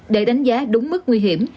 để đánh giá đúng mức nguy hiểm